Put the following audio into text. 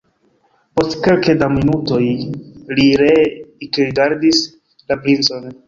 Post kelke da minutoj li ree ekrigardis la princon.